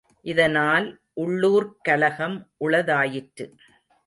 இதனால் உள்ளூர்க் கலகம் உளதாயிற்று.